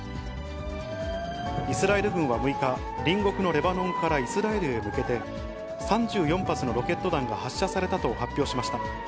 イスラエル軍は６日、隣国のレバノンからイスラエルに向けて、３４発のロケット弾が発射されたと発表しました。